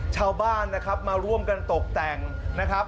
ชาวบ้านนะครับมาร่วมกันตกแต่งนะครับ